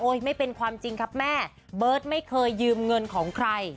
ไม่เป็นความจริงครับแม่เบิร์ตไม่เคยยืมเงินของใคร